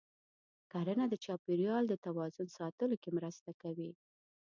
کرنه د چاپېریال د توازن ساتلو کې مرسته کوي.